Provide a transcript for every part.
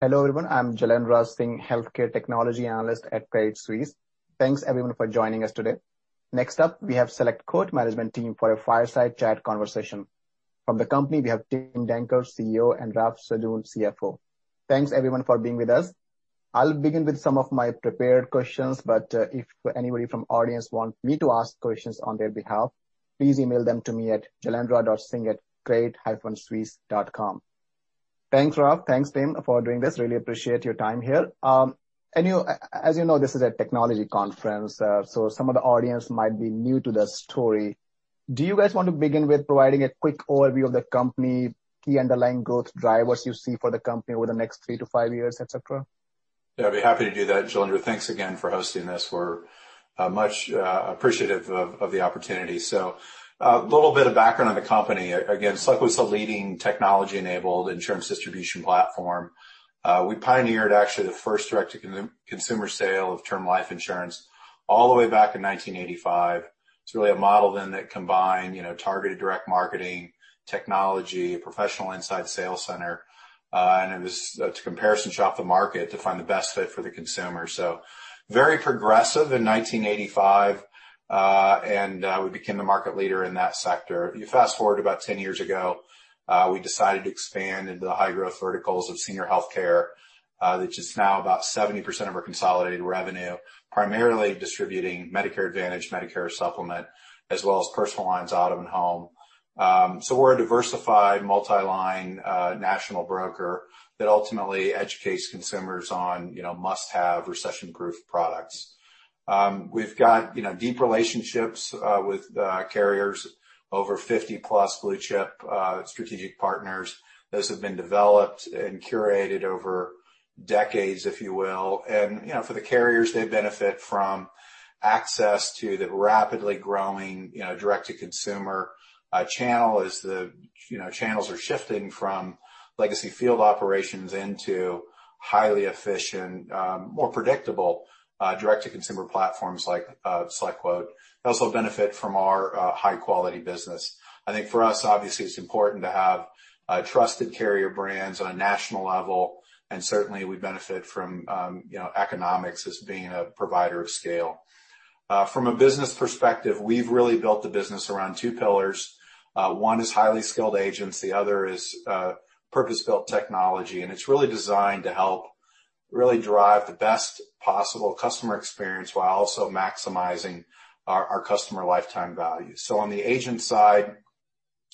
Hello, everyone. I'm Jailendra Singh, Healthcare Technology Analyst at Credit Suisse. Thanks everyone for joining us today. Next up, we have SelectQuote management team for a fireside chat conversation. From the company, we have Tim Danker, CEO, and Raffaele Sadun, CFO. Thanks everyone for being with us. I'll begin with some of my prepared questions, but if anybody from audience want me to ask questions on their behalf, please email them to me at jailendra.singh@credit-suisse.com. Thanks, Raff, thanks Tim, for doing this. Really appreciate your time here. As you know, this is a technology conference, so some of the audience might be new to the story. Do you guys want to begin with providing a quick overview of the company, key underlying growth drivers you see for the company over the next three to five years, et cetera? Yeah, I'd be happy to do that, Jailendra. Thanks again for hosting this. We're much appreciative of the opportunity. A little bit of background on the company. Again, SelectQuote's the leading technology-enabled insurance distribution platform. We pioneered actually the first direct-to-consumer sale of term life insurance all the way back in 1985. It's really a model then that combined targeted direct marketing, technology, professional inside sales center, and it was to comparison shop the market to find the best fit for the consumer. Very progressive in 1985, and we became the market leader in that sector. You fast-forward about 10 years ago, we decided to expand into the high-growth verticals of senior healthcare, which is now about 70% of our consolidated revenue, primarily distributing Medicare Advantage, Medicare Supplement, as well as personal lines, auto, and home. We're a diversified multi-line national broker that ultimately educates consumers on must-have recession-proof products. We've got deep relationships with carriers, over 50+ blue-chip strategic partners. Those have been developed and curated over decades, if you will. For the carriers, they benefit from access to the rapidly growing direct-to-consumer channel as the channels are shifting from legacy field operations into highly efficient, more predictable direct-to-consumer platforms like SelectQuote. They also benefit from our high-quality business. I think for us, obviously, it's important to have trusted carrier brands on a national level, and certainly we benefit from economics as being a provider of scale. From a business perspective, we've really built the business around two pillars. One is highly skilled agents, the other is purpose-built technology, and it's really designed to help really drive the best possible customer experience while also maximizing our Customer Lifetime Value. On the agent side,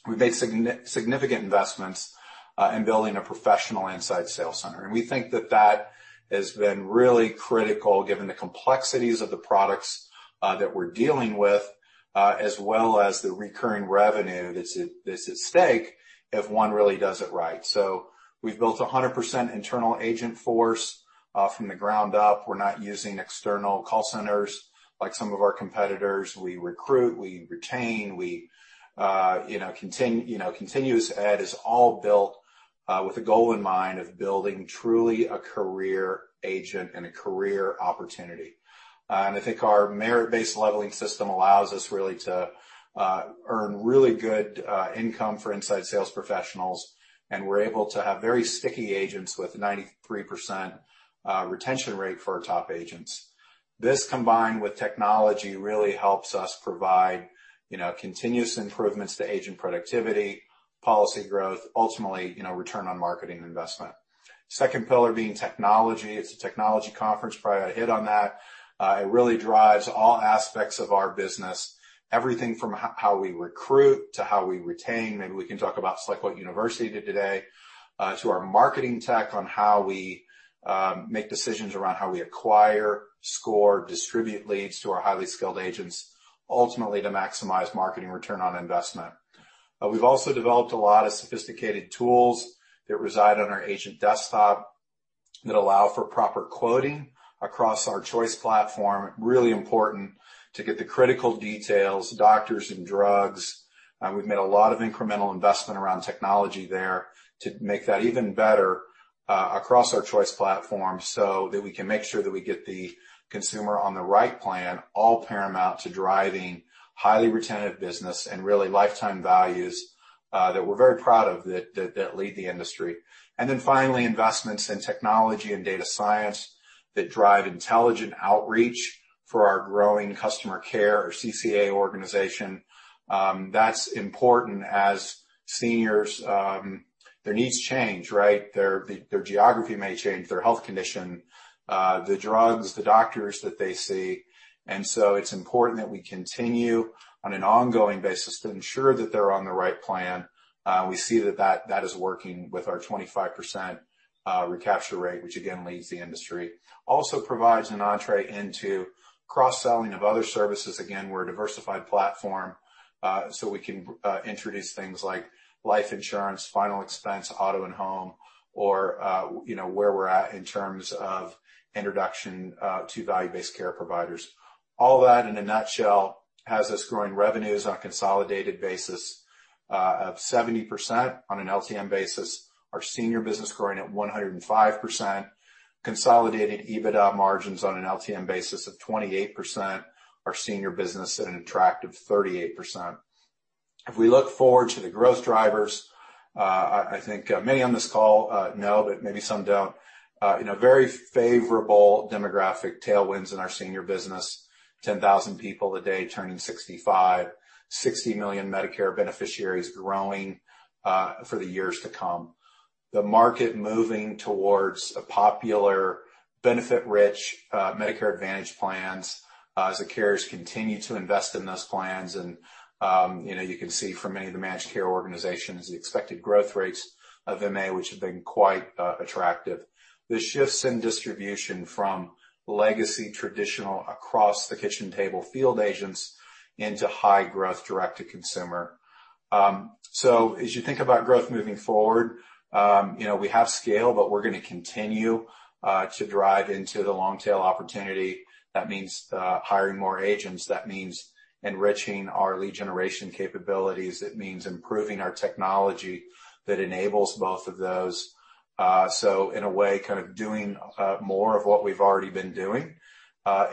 we've made significant investments in building a professional inside sales center. We think that that has been really critical given the complexities of the products that we're dealing with, as well as the recurring revenue that's at stake if one really does it right. We've built 100% internal agent force from the ground up. We're not using external call centers like some of our competitors. We recruit, we retain, continuous ad is all built with a goal in mind of building truly a career agent and a career opportunity. I think our merit-based leveling system allows us really to earn really good income for inside sales professionals, and we're able to have very sticky agents with 93% retention rate for our top agents. This combined with technology really helps us provide continuous improvements to agent productivity, policy growth, ultimately return on marketing investment. Second pillar being technology. It's a technology conference, probably ought to hit on that. It really drives all aspects of our business. Everything from how we recruit to how we retain, maybe we can talk about SelectQuote University today, to our marketing tech on how we make decisions around how we acquire, score, distribute leads to our highly skilled agents, ultimately to maximize marketing return on investment. We've also developed a lot of sophisticated tools that reside on our agent desktop that allow for proper quoting across our choice platform. Really important to get the critical details, doctors and drugs. We've made a lot of incremental investment around technology there to make that even better across our choice platform so that we can make sure that we get the consumer on the right plan, all paramount to driving highly retentive business and really lifetime values that we're very proud of that lead the industry. Finally, investments in technology and data science that drive intelligent outreach for our growing customer care or CCA organization. That's important as seniors, their needs change, right? Their geography may change, their health condition, the drugs, the doctors that they see. So it's important that we continue on an ongoing basis to ensure that they're on the right plan. We see that that is working with our 25% recapture rate, which again, leads the industry. Also provides an entrée into cross-selling of other services. We're a diversified platform. We can introduce things like life insurance, final expense, auto and home, or where we're at in terms of introduction to value-based care providers. All that, in a nutshell, has us growing revenues on a consolidated basis of 70% on an LTM basis. Our senior business growing at 105%. Consolidated EBITDA margins on an LTM basis of 28%, our senior business at an attractive 38%. We look forward to the growth drivers. I think many on this call know, maybe some don't, very favorable demographic tailwinds in our senior business, 10,000 people a day turning 65, 60 million Medicare beneficiaries growing for the years to come, the market moving towards a popular benefit-rich Medicare Advantage plans as the carriers continue to invest in those plans. You can see from many of the managed care organizations, the expected growth rates of MA, which have been quite attractive. The shifts in distribution from legacy traditional across the kitchen table field agents into high growth direct-to-consumer. As you think about growth moving forward, we have scale, but we're going to continue to drive into the long-tail opportunity. That means hiring more agents. That means enriching our lead generation capabilities. It means improving our technology that enables both of those. In a way, kind of doing more of what we've already been doing.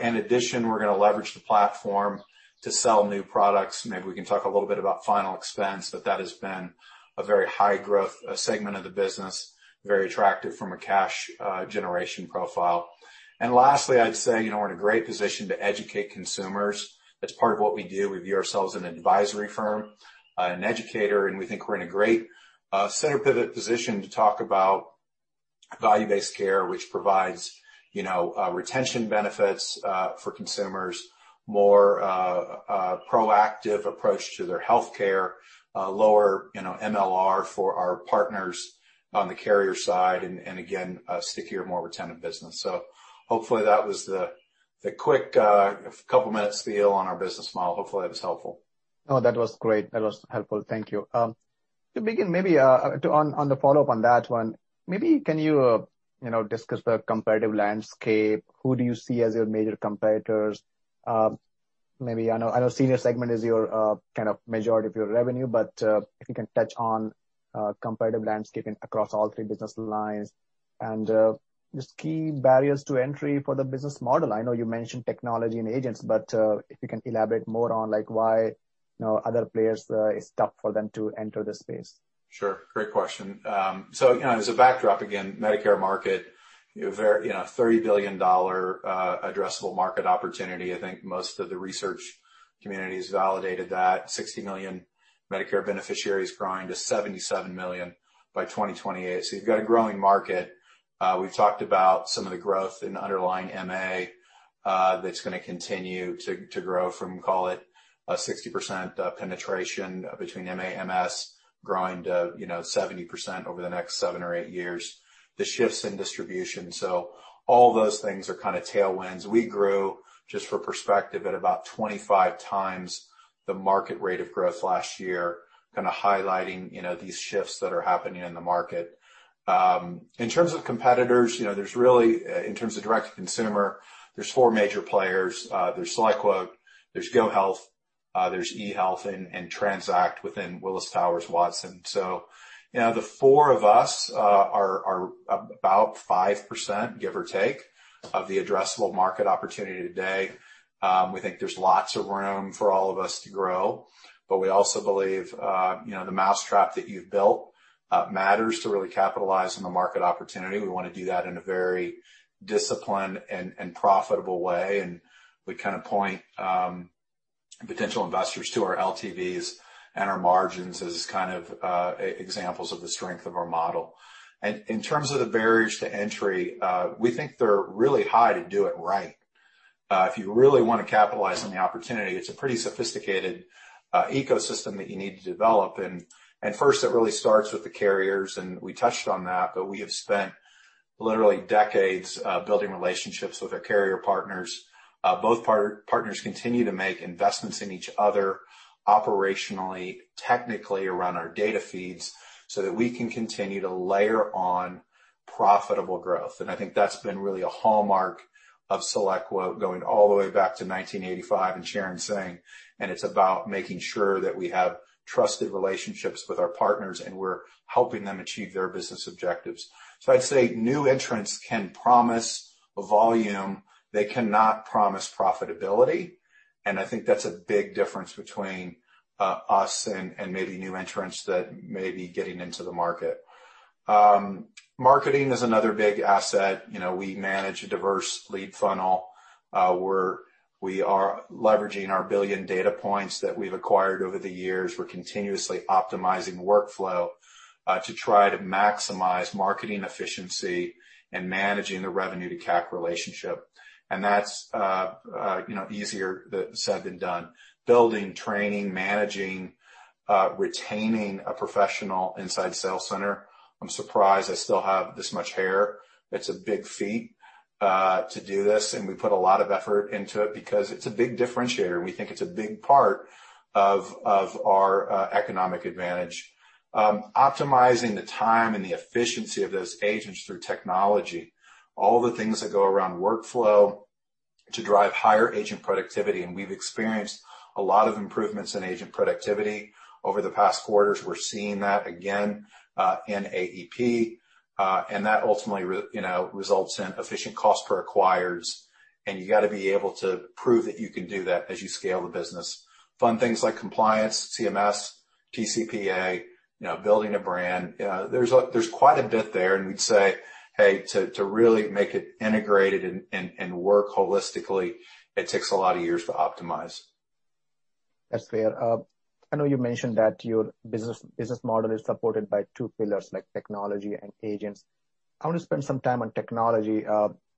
In addition, we're going to leverage the platform to sell new products. Maybe we can talk a little bit about final expense, but that has been a very high growth segment of the business, very attractive from a cash generation profile. Lastly, I'd say, we're in a great position to educate consumers. That's part of what we do. We view ourselves as an advisory firm, an educator, and we think we're in a great center pivot position to talk about value-based care, which provides retention benefits for consumers, more proactive approach to their healthcare, lower MLR for our partners on the carrier side, and again, a stickier, more retentive business. Hopefully, that was the quick couple of minutes spiel on our business model. Hopefully, that was helpful. No, that was great. That was helpful. Thank you. To begin, maybe on the follow-up on that one, maybe can you discuss the competitive landscape? Who do you see as your major competitors? I know senior segment is your kind of majority of your revenue, but if you can touch on competitive landscape across all three business lines and just key barriers to entry for the business model. I know you mentioned technology and agents, but if you can elaborate more on why other players, it's tough for them to enter the space. Sure. Great question. As a backdrop, again, Medicare market, $30 billion addressable market opportunity. I think most of the research communities validated that 60 million Medicare beneficiaries growing to 77 million by 2028. You've got a growing market. We've talked about some of the growth in underlying MA that's going to continue to grow from, call it, a 60% penetration between MA MS growing to 70% over the next seven or eight years. The shifts in distribution. All those things are kind of tailwinds. We grew, just for perspective, at about 25x the market rate of growth last year, kind of highlighting these shifts that are happening in the market. In terms of competitors, there's really, in terms of direct-to-consumer, there's four major players. There's SelectQuote, there's GoHealth, there's eHealth, and Tranzact within Willis Towers Watson. The four of us are about 5%, give or take, of the addressable market opportunity today. We think there's lots of room for all of us to grow, but we also believe the mousetrap that you've built matters to really capitalize on the market opportunity. We want to do that in a very disciplined and profitable way, and we kind of point potential investors to our LTVs and our margins as kind of examples of the strength of our model. In terms of the barriers to entry, we think they're really high to do it right. If you really want to capitalize on the opportunity, it's a pretty sophisticated ecosystem that you need to develop. First, it really starts with the carriers, and we touched on that, but we have spent literally decades building relationships with our carrier partners. Both partners continue to make investments in each other operationally, technically around our data feeds so that we can continue to layer on profitable growth. I think that's been really a hallmark of SelectQuote going all the way back to 1985 and Charan Singh, and it's about making sure that we have trusted relationships with our partners, and we're helping them achieve their business objectives. I'd say new entrants can promise volume. They cannot promise profitability, and I think that's a big difference between us and maybe new entrants that may be getting into the market. Marketing is another big asset. We manage a diverse lead funnel. We are leveraging our 1 billion data points that we've acquired over the years. We're continuously optimizing workflow to try to maximize marketing efficiency and managing the revenue to CAC relationship, and that's easier said than done. Building, training, managing, retaining a professional inside sales center. I'm surprised I still have this much hair. It's a big feat to do this. We put a lot of effort into it because it's a big differentiator. We think it's a big part of our economic advantage. Optimizing the time and the efficiency of those agents through technology, all the things that go around workflow to drive higher agent productivity. We've experienced a lot of improvements in agent productivity over the past quarters. We're seeing that again, in AEP. That ultimately results in efficient cost per acquires. You got to be able to prove that you can do that as you scale the business. Fun things like compliance, CMS, TCPA, building a brand, there's quite a bit there. We'd say, hey, to really make it integrated and work holistically, it takes a lot of years to optimize. That's fair. I know you mentioned that your business model is supported by two pillars, like technology and agents. I want to spend some time on technology.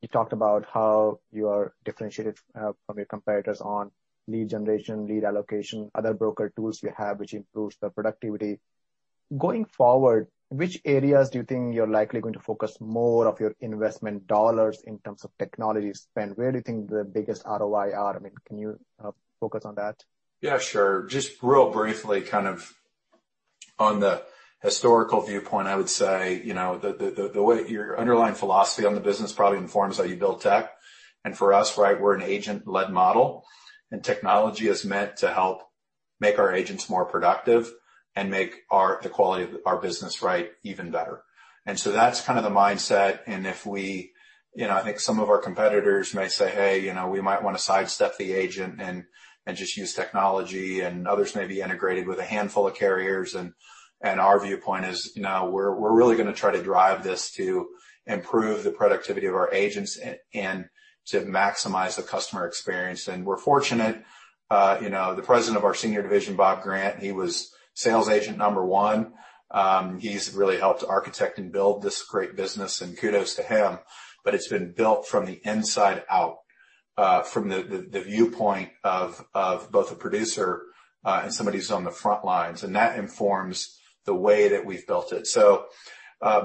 You talked about how you are differentiated from your competitors on lead generation, lead allocation, other broker tools you have which improves the productivity. Going forward, which areas do you think you're likely going to focus more of your investment dollars in terms of technology spend? Where do you think the biggest ROI are? Can you focus on that? Yeah, sure. Just real briefly, on the historical viewpoint, I would say, your underlying philosophy on the business probably informs how you build tech. For us, we're an agent-led model, and technology is meant to help make our agents more productive and make the quality of our business even better. That's the mindset, and I think some of our competitors may say, "Hey, we might want to sidestep the agent and just use technology," and others may be integrated with a handful of carriers. Our viewpoint is, we're really going to try to drive this to improve the productivity of our agents and to maximize the customer experience. We're fortunate, the president of our senior division, Bob Grant, he was sales agent number one. He's really helped architect and build this great business, and kudos to him. It's been built from the inside out, from the viewpoint of both a producer, and somebody who's on the front lines. That informs the way that we've built it.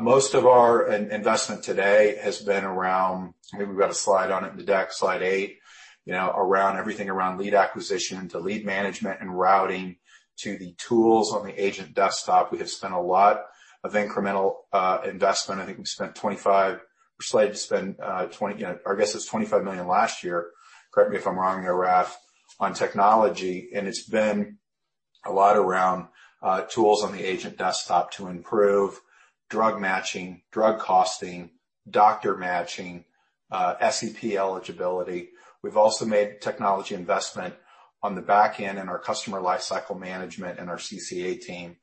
Most of our investment today has been around, maybe we've got a slide on it in the deck, slide eight, everything around lead acquisition to lead management and routing to the tools on the agent desktop. We have spent a lot of incremental investment. I think we're slated to spend, our guess is $25 million last year, correct me if I'm wrong there, Raff, on technology. It's been a lot around tools on the agent desktop to improve drug matching, drug costing, doctor matching, SEP eligibility. We've also made technology investment on the back end in our customer lifecycle management and our CCA team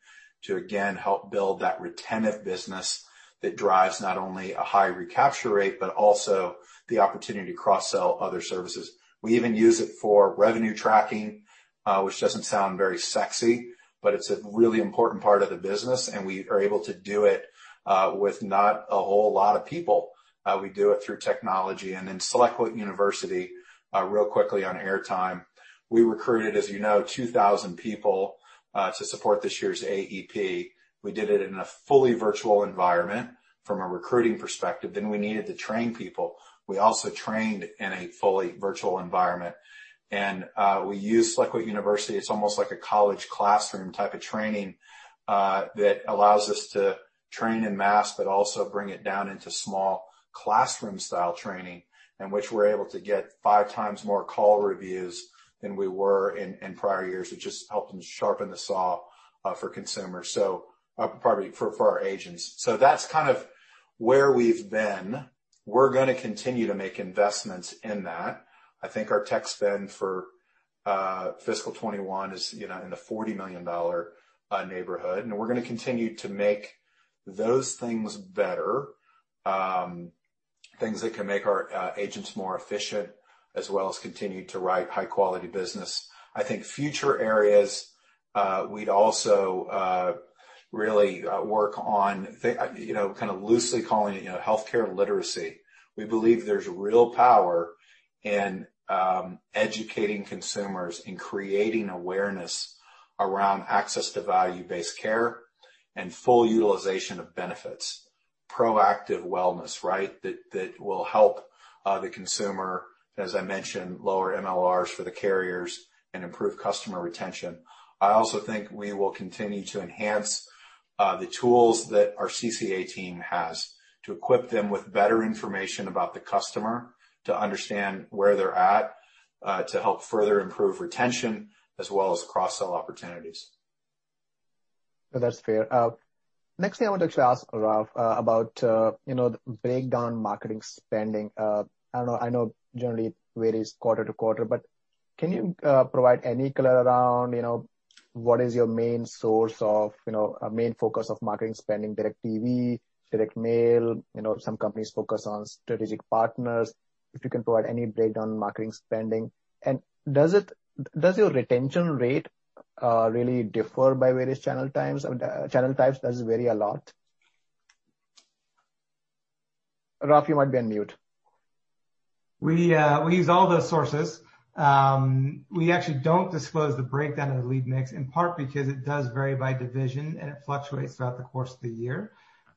to again help build that retentive business that drives not only a high recapture rate, but also the opportunity to cross-sell other services. We even use it for revenue tracking, which doesn't sound very sexy, but it's a really important part of the business, and we are able to do it with not a whole lot of people. We do it through technology. Then SelectQuote University, real quickly on air time, we recruited, as you know, 2,000 people, to support this year's AEP. We did it in a fully virtual environment from a recruiting perspective. We needed to train people. We also trained in a fully virtual environment. We use SelectQuote University. It's almost like a college classroom type of training, that allows us to train in mass, but also bring it down into small classroom style training in which we're able to get 5 times more call reviews than we were in prior years, which just helped them sharpen the saw for our agents. That's where we've been. We're going to continue to make investments in that. I think our tech spend for fiscal 2021 is in the $40 million neighborhood, and we're going to continue to make those things better, things that can make our agents more efficient as well as continue to write high-quality business. I think future areas, we'd also really work on loosely calling it healthcare literacy. We believe there's real power in educating consumers, in creating awareness around access to value-based care and full utilization of benefits. Proactive wellness that will help the consumer, as I mentioned, lower MLRs for the carriers and improve customer retention. I also think we will continue to enhance the tools that our CCA team has to equip them with better information about the customer, to understand where they're at, to help further improve retention as well as cross-sell opportunities. No, that's fair. Next thing I wanted to ask, Raff, about the breakdown marketing spending. I know generally it varies quarter-to-quarter, but can you provide any color around what is your main focus of marketing spending, direct TV, direct mail? Some companies focus on strategic partners. If you can provide any breakdown marketing spending. Does your retention rate really differ by various channel types? Does it vary a lot? Raff, you might be on mute. We use all those sources. We actually don't disclose the breakdown of the lead mix, in part because it does vary by division and it fluctuates throughout the course of the year.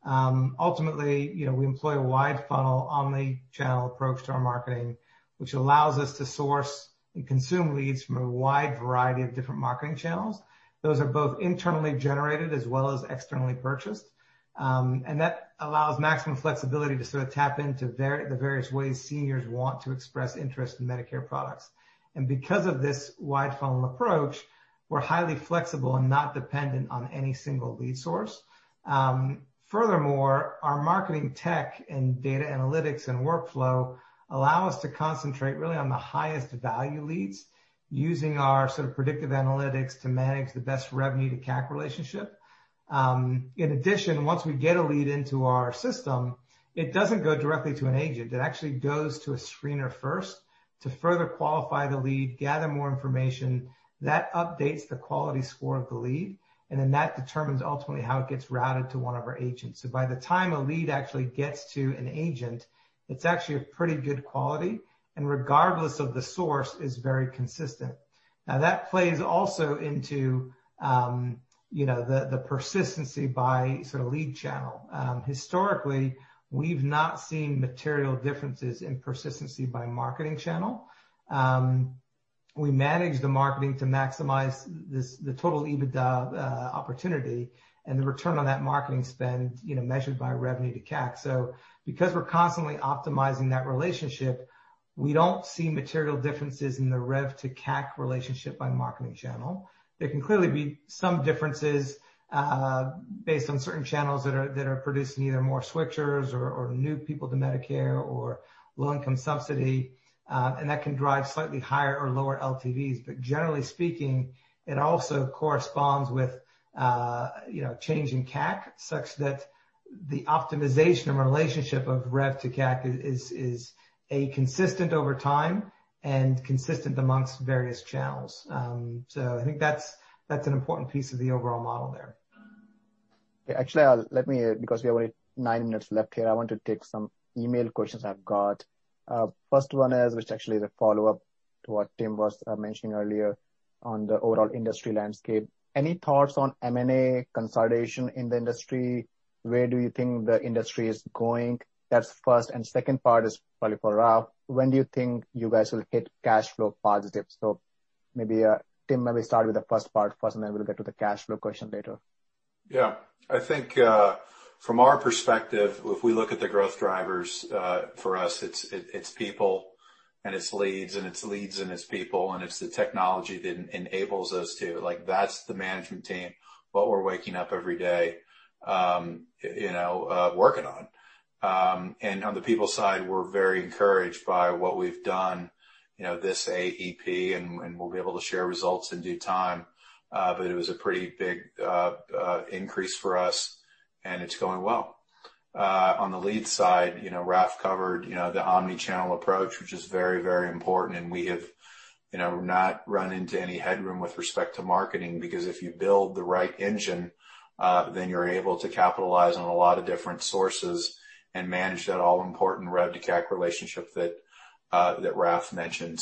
Ultimately, we employ a wide funnel omni-channel approach to our marketing, which allows us to source and consume leads from a wide variety of different marketing channels. Those are both internally generated as well as externally purchased, and that allows maximum flexibility to sort of tap into the various ways seniors want to express interest in Medicare products. Because of this wide funnel approach, we're highly flexible and not dependent on any single lead source. Furthermore, our marketing tech and data analytics and workflow allow us to concentrate really on the highest value leads using our sort of predictive analytics to manage the best revenue to CAC relationship. Once we get a lead into our system, it doesn't go directly to an agent. It actually goes to a screener first to further qualify the lead, gather more information, that updates the quality score of the lead, and then that determines ultimately how it gets routed to one of our agents. By the time a lead actually gets to an agent, it's actually a pretty good quality, and regardless of the source, is very consistent. That plays also into the persistency by sort of lead channel. Historically, we've not seen material differences in persistency by marketing channel. We manage the marketing to maximize the total EBITDA opportunity and the return on that marketing spend measured by revenue to CAC. Because we're constantly optimizing that relationship, we don't see material differences in the LTV to CAC relationship by marketing channel. There can clearly be some differences based on certain channels that are producing either more switchers or new people to Medicare or low-income subsidy, and that can drive slightly higher or lower LTVs. Generally speaking, it also corresponds with change in CAC such that the optimization of a relationship of LTV to CAC is consistent over time and consistent amongst various channels. I think that's an important piece of the overall model there. Actually, because we have only nine minutes left here, I want to take some email questions I've got. First one is, which actually is a follow-up to what Tim was mentioning earlier on the overall industry landscape. Any thoughts on M&A consolidation in the industry? Where do you think the industry is going? That's first, and second part is probably for Raff. When do you think you guys will hit cash flow positive? Maybe, Tim, maybe start with the first part first, and then we'll get to the cash flow question later. Yeah. I think, from our perspective, if we look at the growth drivers for us, it's people and it's leads, and it's leads and it's people, and it's the technology that enables those two. That's the management team, what we're waking up every day working on. On the people side, we're very encouraged by what we've done this AEP, and we'll be able to share results in due time. It was a pretty big increase for us, and it's going well. On the lead side, Raff covered the omni-channel approach, which is very important, and we have not run into any headroom with respect to marketing, because if you build the right engine, then you're able to capitalize on a lot of different sources and manage that all-important LTV to CAC relationship that Raff mentioned.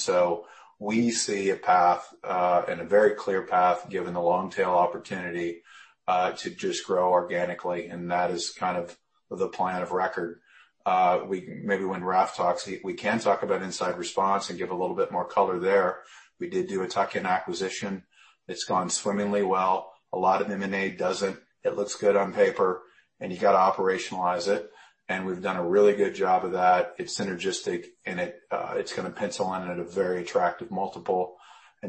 We see a path, and a very clear path, given the long tail opportunity, to just grow organically, and that is kind of the plan of record. Maybe when Raff talks, we can talk about Inside Response and give a little bit more color there. We did do a tuck-in acquisition. It's gone swimmingly well. A lot of M&A doesn't. It looks good on paper, and you got to operationalize it, and we've done a really good job of that. It's synergistic, and it's going to pencil in at a very attractive multiple.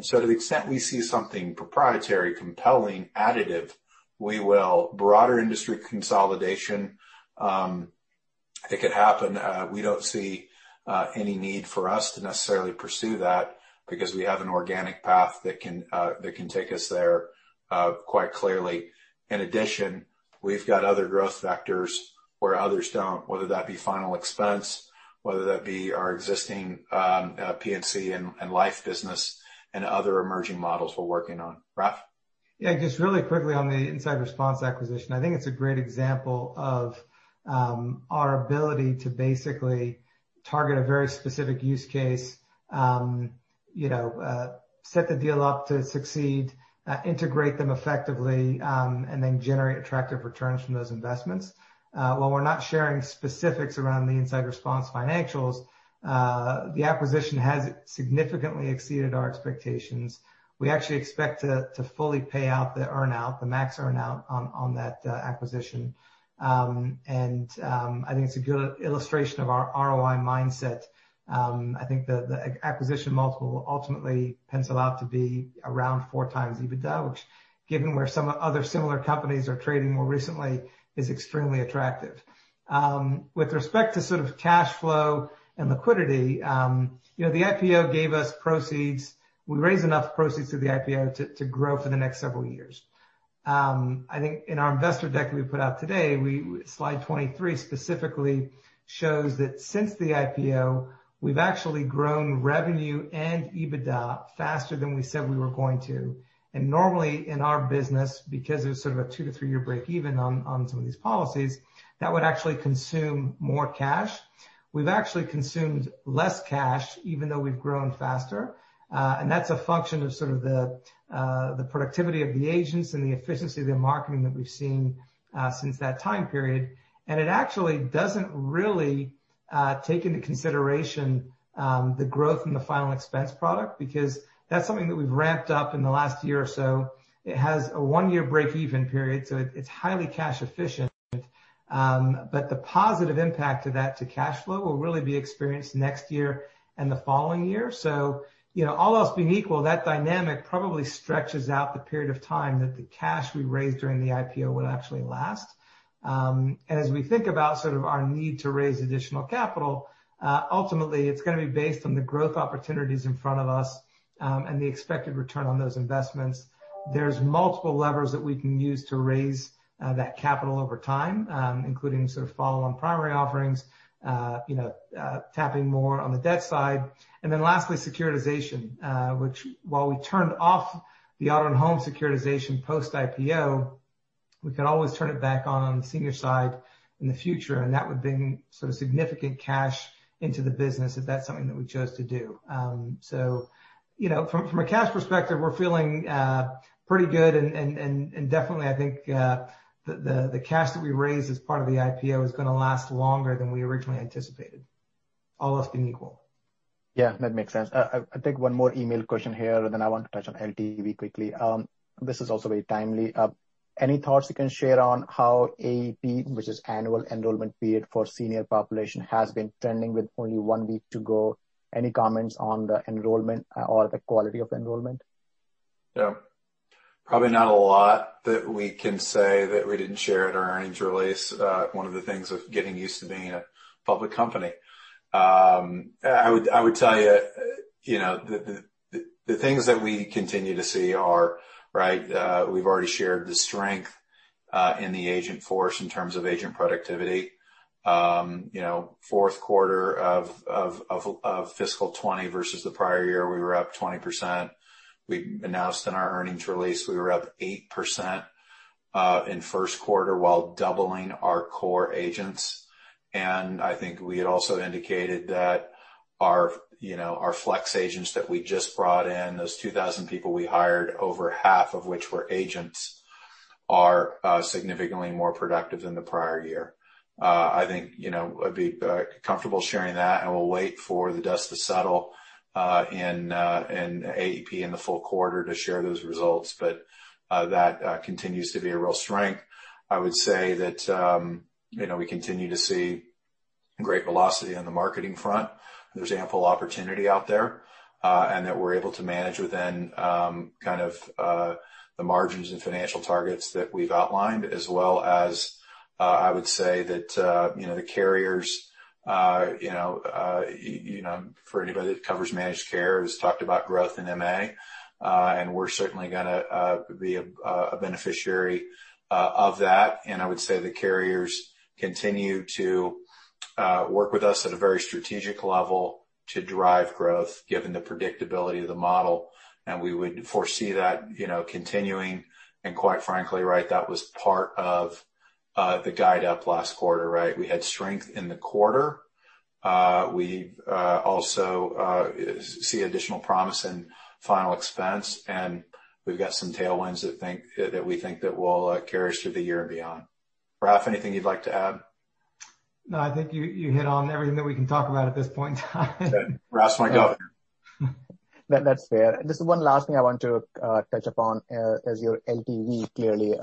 To the extent we see something proprietary, compelling, additive, we will. Broader industry consolidation, it could happen. We don't see any need for us to necessarily pursue that because we have an organic path that can take us there quite clearly. In addition, we've got other growth vectors where others don't, whether that be final expense, whether that be our existing P&C and life business and other emerging models we're working on. Raff? Just really quickly on the Inside Response acquisition, I think it's a great example of our ability to basically target a very specific use case, set the deal up to succeed, integrate them effectively, and then generate attractive returns from those investments. While we're not sharing specifics around the Inside Response financials, the acquisition has significantly exceeded our expectations. We actually expect to fully pay out the earn-out, the max earn-out on that acquisition, and I think it's a good illustration of our ROI mindset. I think the acquisition multiple will ultimately pencil out to be around 4x EBITDA, which, given where some other similar companies are trading more recently, is extremely attractive. With respect to sort of cash flow and liquidity, the IPO gave us proceeds, we raised enough proceeds through the IPO to grow for the next several years. I think in our investor deck that we put out today, slide 23 specifically shows that since the IPO, we've actually grown revenue and EBITDA faster than we said we were going to. Normally in our business, because there's sort of two, three year break even on some of these policies, that would actually consume more cash. We've actually consumed less cash, even though we've grown faster. That's a function of sort of the productivity of the agents and the efficiency of the marketing that we've seen since that time period. It actually doesn't really take into consideration the growth in the final expense product, because that's something that we've ramped up in the last year or so. It has a one year break-even period, so it's highly cash efficient. The positive impact of that to cash flow will really be experienced next year and the following year. All else being equal, that dynamic probably stretches out the period of time that the cash we raised during the IPO will actually last. As we think about sort of our need to raise additional capital, ultimately, it's going to be based on the growth opportunities in front of us, and the expected return on those investments. There's multiple levers that we can use to raise that capital over time, including sort of follow-on primary offerings, tapping more on the debt side. Lastly, securitization, which while we turned off the auto and home securitization post IPO, we could always turn it back on the senior side in the future, and that would bring sort of significant cash into the business if that's something that we chose to do. From a cash perspective, we're feeling pretty good and definitely, I think, the cash that we raised as part of the IPO is going to last longer than we originally anticipated, all else being equal. Yeah, that makes sense. I'll take one more email question here, then I want to touch on LTV quickly. This is also very timely. Any thoughts you can share on how AEP, which is Annual Enrollment Period for senior population, has been trending with only one week to go? Any comments on the enrollment or the quality of enrollment? Yeah. Probably not a lot that we can say that we didn't share at our earnings release. One of the things of getting used to being a public company. I would tell you, the things that we continue to see are, we've already shared the strength in the agent force in terms of agent productivity. Fourth quarter of fiscal 2020 versus the prior year, we were up 20%. We announced in our earnings release we were up 8% in first quarter while doubling our core agents. I think we had also indicated that our flex agents that we just brought in, those 2,000 people we hired, over half of which were agents, are significantly more productive than the prior year. I think I'd be comfortable sharing that, we'll wait for the dust to settle in AEP in the full quarter to share those results. That continues to be a real strength. I would say that we continue to see great velocity on the marketing front, there's ample opportunity out there, and that we're able to manage within kind of the margins and financial targets that we've outlined as well as I would say that the carriers, for anybody that covers managed care, has talked about growth in MA, and we're certainly going to be a beneficiary of that. I would say the carriers continue to work with us at a very strategic level to drive growth given the predictability of the model, and we would foresee that continuing, and quite frankly, that was part of the guide up last quarter, right? We had strength in the quarter. We also see additional promise in final expense, and we've got some tailwinds that we think that will carry us through the year and beyond. Raff, anything you'd like to add? No, I think you hit on everything that we can talk about at this point in time. Good. Raff's my governor. That's fair. Just one last thing I want to touch upon is your LTV clearly,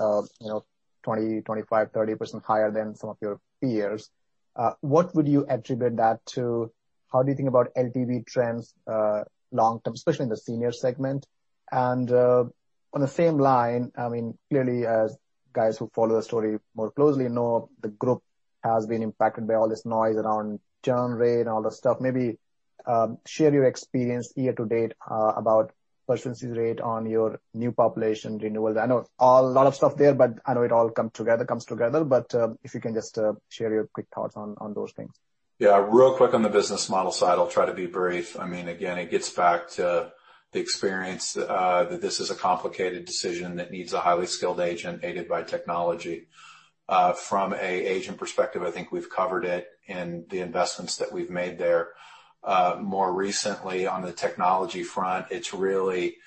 20%, 25%, 30% higher than some of your peers. What would you attribute that to? How do you think about LTV trends long term, especially in the senior segment? On the same line, clearly as guys who follow the story more closely know the group has been impacted by all this noise around churn rate and all that stuff. Maybe share your experience year to date about persistency rate on your new population renewals. I know a lot of stuff there, but I know it all comes together. If you can just share your quick thoughts on those things. Yeah. Real quick on the business model side, I'll try to be brief. It gets back to the experience that this is a complicated decision that needs a highly skilled agent aided by technology. From an agent perspective, I think we've covered it in the investments that we've made there. More recently on the technology front, it's really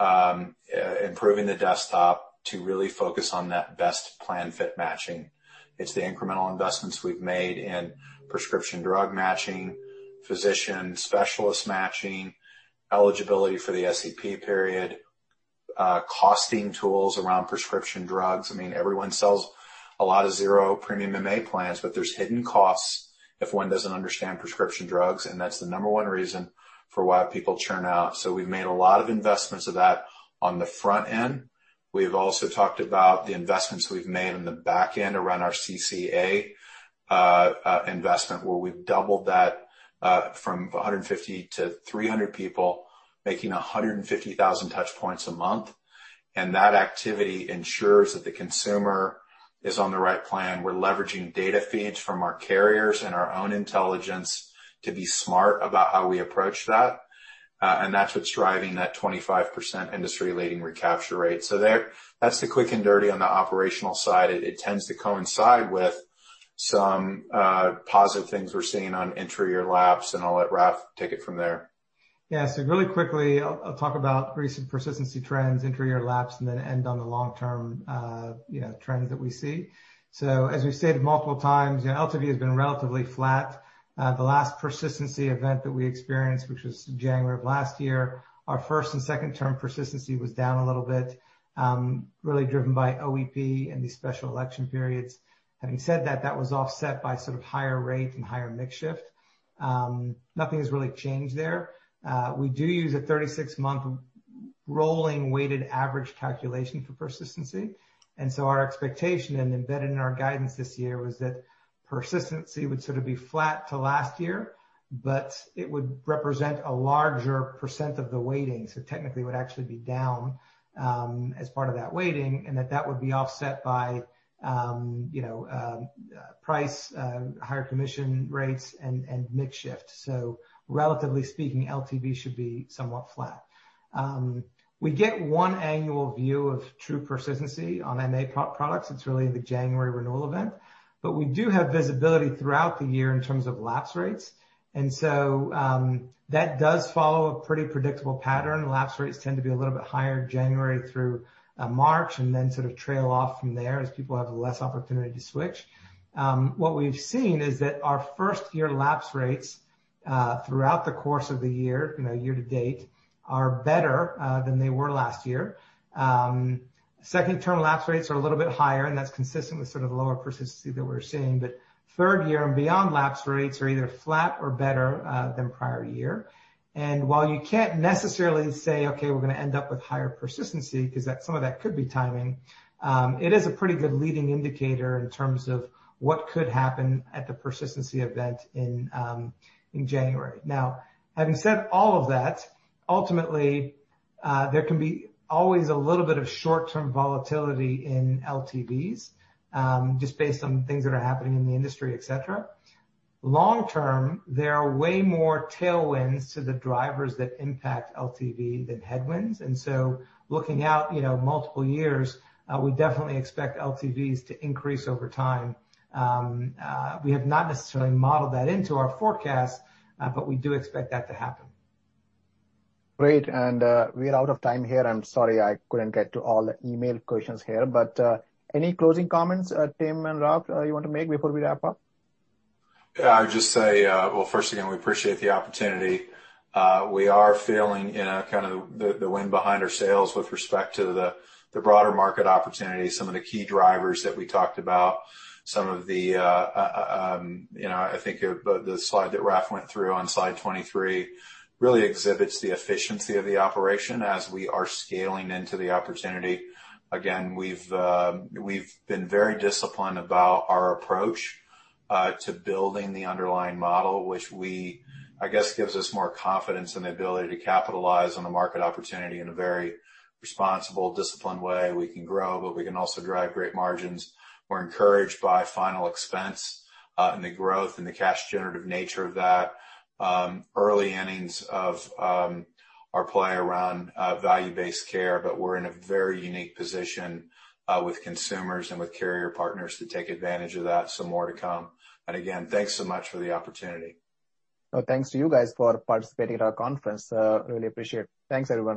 improving the desktop to really focus on that best plan fit matching. It's the incremental investments we've made in prescription drug matching, physician specialist matching, eligibility for the SEP period, costing tools around prescription drugs. Everyone sells a lot of zero premium MA plans, but there's hidden costs if one doesn't understand prescription drugs, and that's the number one reason for why people churn out. We've made a lot of investments of that on the front end. We've also talked about the investments we've made on the back end around our CCA investment, where we've doubled that from 150 to 300 people, making 150,000 touch points a month. That activity ensures that the consumer is on the right plan. We're leveraging data feeds from our carriers and our own intelligence to be smart about how we approach that. That's what's driving that 25% industry-leading recapture rate. There, that's the quick and dirty on the operational side. It tends to coincide with some positive things we're seeing on interior lapse, and I'll let Raff take it from there. Really quickly, I'll talk about recent persistency trends, intra-year lapse, and then end on the long-term trends that we see. As we've stated multiple times, LTV has been relatively flat. The last persistency event that we experienced, which was January of last year, our first and second-term persistency was down a little bit, really driven by OEP and these special election periods. Having said that was offset by sort of higher rate and higher mix shift. Nothing has really changed there. We do use a 36-month rolling weighted average calculation for persistency, our expectation and embedded in our guidance this year was that persistency would sort of be flat to last year, but it would represent a larger % of the weighting. Technically it would actually be down as part of that weighting, and that would be offset by price, higher commission rates, and mix shift. Relatively speaking, LTV should be somewhat flat. We get one annual view of true persistency on MA products. It is really the January renewal event, but we do have visibility throughout the year in terms of lapse rates, and so that does follow a pretty predictable pattern. Lapse rates tend to be a little bit higher January through March, and then sort of trail off from there as people have less opportunity to switch. What we have seen is that our first-year lapse rates throughout the course of the year-to-date, are better than they were last year. Second-term lapse rates are a little bit higher, and that is consistent with sort of the lower persistency that we are seeing. Third year and beyond lapse rates are either flat or better than prior year. While you can't necessarily say, okay, we're going to end up with higher persistency because some of that could be timing, it is a pretty good leading indicator in terms of what could happen at the persistency event in January. Having said all of that, ultimately, there can be always a little bit of short-term volatility in LTVs, just based on things that are happening in the industry, et cetera. Long term, there are way more tailwinds to the drivers that impact LTV than headwinds, and so looking out multiple years, we definitely expect LTVs to increase over time. We have not necessarily modeled that into our forecast, but we do expect that to happen. Great. We are out of time here. I'm sorry I couldn't get to all the email questions here. Any closing comments, Tim and Raph, you want to make before we wrap up? I would just say, well, first again, we appreciate the opportunity. We are feeling kind of the wind behind our sails with respect to the broader market opportunity, some of the key drivers that we talked about. I think the slide that Raff went through on slide 23 really exhibits the efficiency of the operation as we are scaling into the opportunity. Again, we've been very disciplined about our approach to building the underlying model, which I guess gives us more confidence in the ability to capitalize on the market opportunity in a very responsible, disciplined way. We can grow, but we can also drive great margins. We're encouraged by final expense and the growth and the cash generative nature of that. Early innings of our play around value-based care, but we're in a very unique position with consumers and with carrier partners to take advantage of that. More to come. Again, thanks so much for the opportunity. No, thanks to you guys for participating in our conference. Really appreciate it. Thanks, everyone.